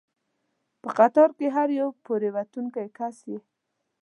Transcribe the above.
په قطار کې هر یو پورې ووتونکی کس یې.